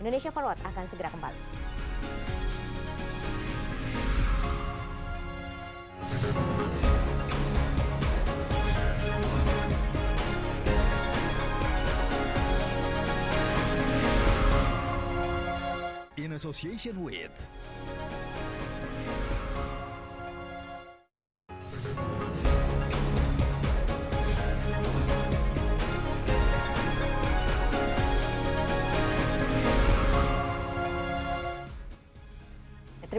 indonesia verwater akan segera kembali